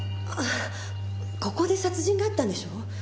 あっここで殺人があったんでしょ？